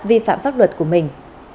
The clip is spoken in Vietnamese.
vi phạm pháp luật của mình